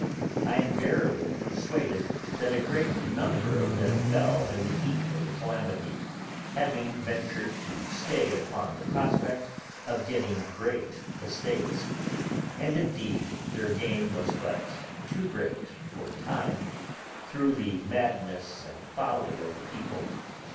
I am verily persuaded that a great number of them fell in the heat of the calamity, having ventured to stay upon the prospect of getting great estates; and indeed their gain was but too great for a time, through the madness and folly of the people.